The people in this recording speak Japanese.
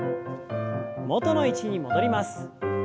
元の位置に戻ります。